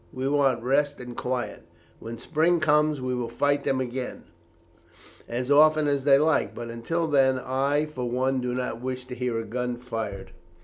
We want rest and quiet. When spring comes we will fight them again as often as they like, but until then I for one do not wish to hear a gun fired."